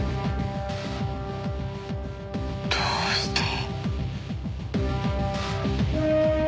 どうして？